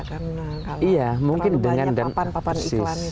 karena kalau terlalu banyak papan papan iklan itu